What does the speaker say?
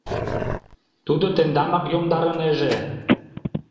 Тудо тендамак йомдарынеже...